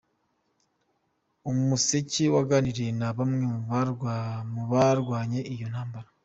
Umuseke waganiriye na bamwe mu barwanye iyo ntambara.